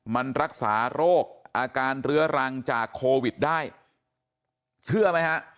มันรักษาโรคอาการเรื้อรังจากโควิดได้เชื่อไหมฮะ